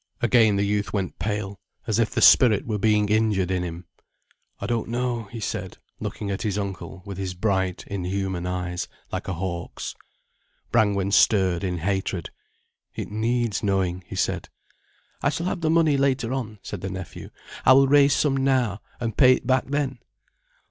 Again the youth went pale, as if the spirit were being injured in him. "I don't know," he said, looking at his uncle with his bright inhuman eyes, like a hawk's. Brangwen stirred in hatred. "It needs knowing," he said. "I shall have the money later on," said the nephew. "I will raise some now, and pay it back then."